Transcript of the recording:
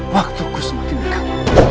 waktuku semakin dekat